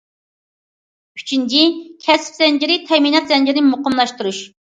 ئۈچىنچى، كەسىپ زەنجىرى، تەمىنات زەنجىرىنى مۇقىملاشتۇرۇش.